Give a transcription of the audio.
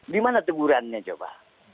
di mana tegurannya coba